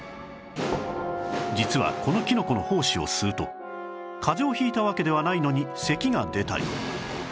実はこのキノコの胞子を吸うと風邪を引いたわけではないのにせきが出たり